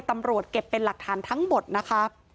ตำรวจเก็บเป็นหลักฐานทั้งหมดนะคะ